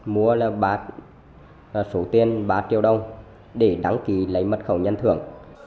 mua là bát số tiền ba triệu đồng để đăng ký lấy mật khẩu nhân thưởng